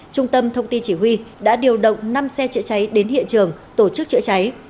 trung tâm thông tin chỉ huy đã điều động năm xe chữa cháy đến hiện trường tổ chức chữa cháy